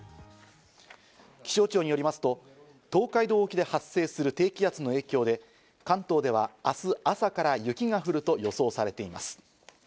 気象庁によりますと、東海道沖で発生する低気圧の影響で関東では明日、朝から雪が降ると予想されています。